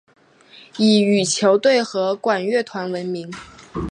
以羽球队和管乐团闻名。